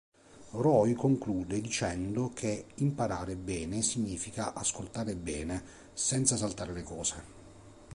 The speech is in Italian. Roy conclude dicendo che imparare bene significa ascoltare bene, senza saltare le cose.